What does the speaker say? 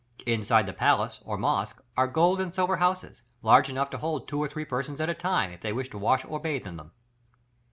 Inside the palace or mosque are gold and silver houses, large enough to hold two or three persons at a time, if they wish to wash or bathe in them."